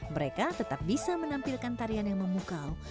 mereka tetap bisa menampilkan tarian yang memukau